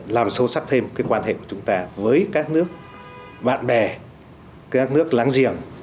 làm sâu sắc thêm cái quan hệ của chúng ta với các nước bạn bè các nước láng giềng